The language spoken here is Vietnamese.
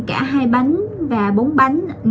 cả hai bánh và bốn bánh